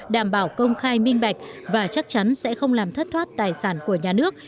đảm bảo công khai minh bạch và chắc chắn sẽ không làm thất thoát tài sản của nhà nước